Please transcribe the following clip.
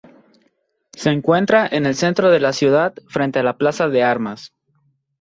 Se encuentra en el centro de la ciudad, frente a la Plaza de Armas.